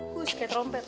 kus kaya trompet